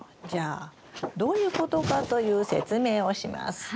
じゃあどういうことかという説明をします。